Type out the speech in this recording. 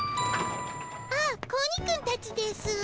あっ子鬼くんたちですぅ。